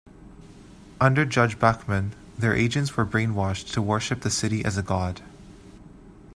Under Judge Bachmann, their agents were brainwashed to worship the city as a god.